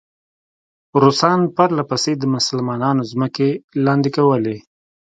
روسان پرله پسې د مسلمانانو ځمکې لاندې کولې.